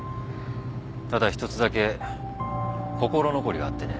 ただ１つだけ心残りがあってね。